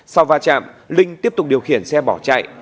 sau va chạm linh tiếp tục điều khiển xe bỏ chạy